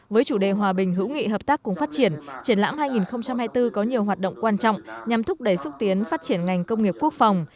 với chủ đề hòa bình hữu nghị hợp tác cùng phát triển triển lãm hai nghìn hai mươi bốn có nhiều hoạt động quan trọng nhằm thúc đẩy xúc tiến phát triển ngành công nghiệp quốc phòng